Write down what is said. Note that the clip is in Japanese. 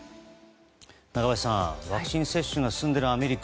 中林さん、ワクチン接種が進んでいるアメリカ。